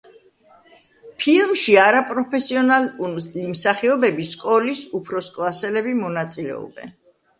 ფილმში არაპროფესიონალი მსახიობები, სკოლის უფროსკლასელები, მონაწილეობენ.